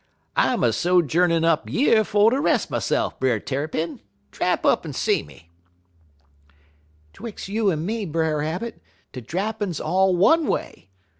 "'I'm a sojourneyin' up yer fer ter res' myse'f, Brer Tarrypin. Drap up en see me.' "''Twix' you en me, Brer Rabbit, de drappin' 's all one way.